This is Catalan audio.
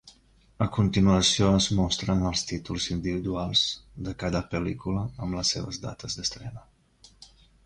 A continuació es mostren els títols individuals de cada pel·lícula amb les seves dates d'estrena.